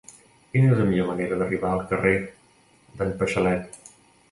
Quina és la millor manera d'arribar al carrer d'en Paixalet?